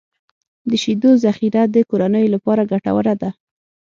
د شیدو ذخیره د کورنیو لپاره ګټوره ده.